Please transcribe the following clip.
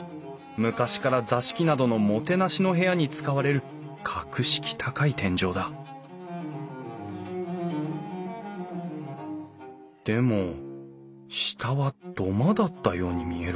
昔から座敷などのもてなしの部屋に使われる格式高い天井だでも下は土間だったように見えるけど。